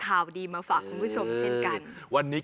แก้ปัญหาผมร่วงล้านบาท